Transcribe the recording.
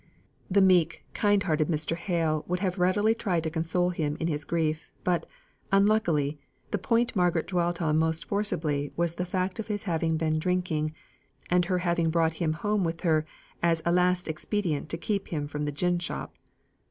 The meek, kind hearted Mr. Hale would have readily tried to console him in his grief, but, unluckily, the point Margaret dwelt upon most forcibly was the fact of his having been drinking, and her having brought him home with her as a last expedient to keep him from the gin shop.